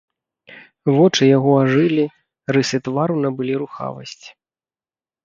Вочы яго ажылі, рысы твару набылі рухавасць.